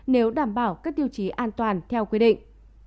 nếu đảm bảo các tiêu chí an toàn theo quy định